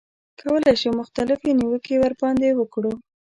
کولای شو مختلفې نیوکې ورباندې وکړو.